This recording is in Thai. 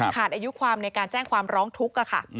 อายุความในการแจ้งความร้องทุกข์ค่ะ